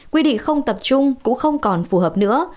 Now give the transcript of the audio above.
quy định không tập trung cũng không còn phù hợp nữa